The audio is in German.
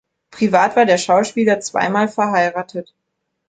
Privat war der Schauspieler zweimal verheiratet.